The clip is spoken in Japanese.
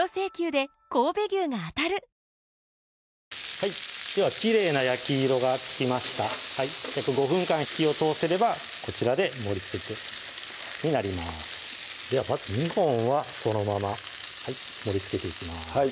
ねっではきれいな焼き色がつきました約５分間火を通せればこちらで盛りつけになりますではまず２本はそのまま盛りつけていきます